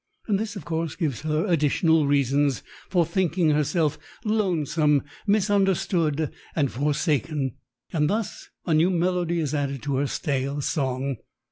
And this, of course, gives her additional reason for thinking herself lonesome, misunderstood, and forsaken, and thus a new melody is added to her stale song.